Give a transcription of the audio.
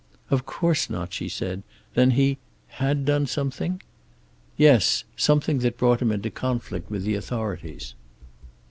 "Of course not," she said. "Then he had done something?" "Yes. Something that brought him into conflict with the authorities."